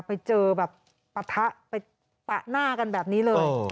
ไปเจอแบบปะทะไปปะหน้ากันแบบนี้เลย